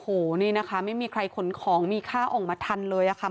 โอ้โหนี่นะคะไม่มีใครขนของมีค่าออกมาทันเลยอะค่ะ